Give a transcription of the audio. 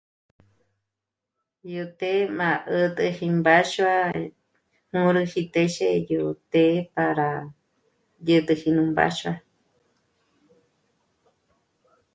Yo té'e mà 'ä̀täji mbáxua nòroji tézhe yo té'e para yä̀t'äji nu mbáxua